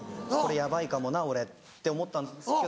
「やばいかもな俺」って思ったんですけど。